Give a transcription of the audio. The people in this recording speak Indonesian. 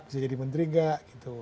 bisa jadi menteri nggak